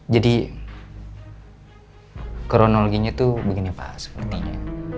jadi kronologinya tuh begini pak sepertinya